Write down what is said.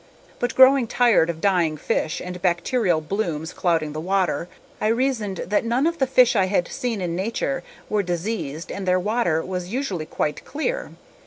But growing tired of dying fish and bacterial blooms clouding the water, I reasoned that none of the fish I had seen in nature were diseased and their water was usually quite clear.